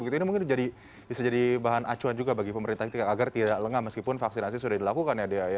ini mungkin bisa jadi bahan acuan juga bagi pemerintah agar tidak lengah meskipun vaksinasi sudah dilakukan ya dea